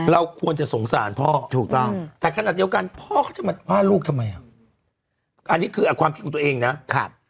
เราควรจะสงสารพ่อถัดขนาดเดียวกันพ่อก็จะมากว่าลูกทำไมอ่ะอันนี้คือความคิดของตัวเองนะ